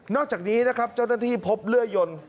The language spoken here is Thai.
อกจากนี้นะครับเจ้าหน้าที่พบเลื่อยยน